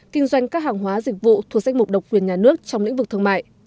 kinh doanh các hàng hóa dịch vụ thuộc danh mục độc quyền nhà nước trong lĩnh vực thương mại